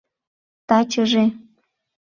— Тачыже...